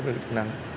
với những chức năng